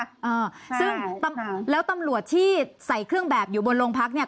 อ่าซึ่งตำรวจแล้วตำรวจที่ใส่เครื่องแบบอยู่บนโรงพักเนี่ย